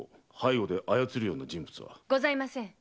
ございません。